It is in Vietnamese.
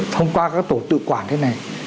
thông qua các tổ tự quản thế này